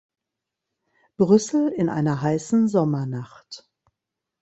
Brüssel in einer heißen Sommernacht.